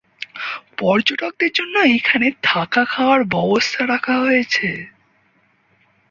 পর্যটকদের জন্য এখানে থাকা-খাওয়ার ব্যবস্থা রাখা হয়েছে।